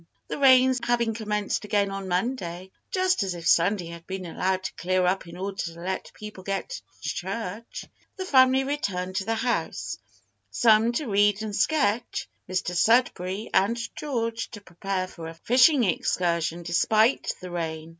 The rains having commenced again on Monday, (just as if Sunday had been allowed to clear up in order to let people get to church), the family returned to the house, some to read and sketch, Mr Sudberry and George to prepare for a fishing excursion, despite the rain.